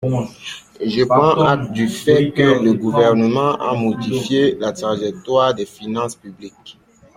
Je prends acte du fait que le Gouvernement a modifié la trajectoire des finances publiques.